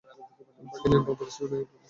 ভাগ্যের নির্মম পরিহাস, নেউলকে পেয়েছি।